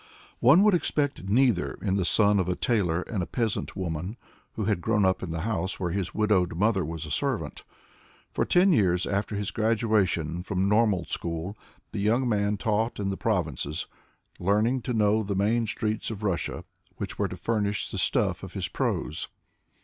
One would expect neither in the son of a tailor and a peasant woman, who had grown up in the house where his widowed mother was a servant For ten years after his graduation from Normal School the young man taught in the provinces, learning to know the Main Streets of Russia, which were to furnish the stuff of his prose.